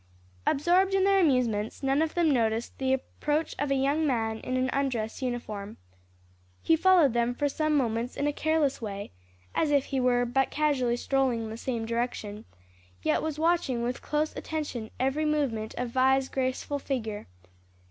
Absorbed in their amusements, none of them noticed the approach of a young man in undress uniform. He followed them for some moments in a careless way, as if he were but casually strolling in the same direction, yet was watching with close attention every movement of Vi's graceful figure.